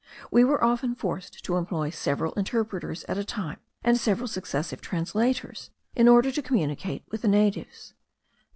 We were often forced to employ several interpreters at a time, and several successive translators, in order to communicate with the natives.